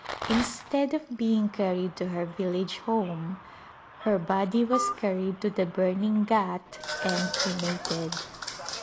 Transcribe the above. Instead of being carried to her village home her body was carried to the burning ghat and cremated.